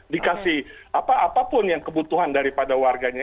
dikasih apa apa pun yang kebutuhan daripada warganya